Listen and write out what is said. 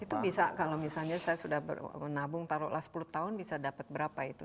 itu bisa kalau misalnya saya sudah menabung taruhlah sepuluh tahun bisa dapat berapa itu